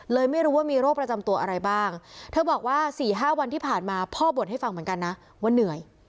ไม่รู้ว่ามีโรคประจำตัวอะไรบ้างเธอบอกว่า๔๕วันที่ผ่านมาพ่อบ่นให้ฟังเหมือนกันนะว่าเหนื่อย